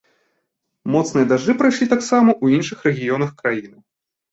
Моцныя дажджы прайшлі таксама ў іншых рэгіёнах краіны.